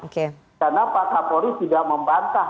karena pak kapolri tidak membantah